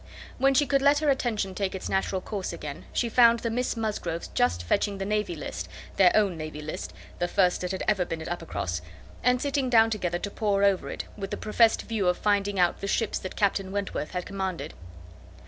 When she could let her attention take its natural course again, she found the Miss Musgroves just fetching the Navy List (their own navy list, the first that had ever been at Uppercross), and sitting down together to pore over it, with the professed view of finding out the ships that Captain Wentworth had commanded.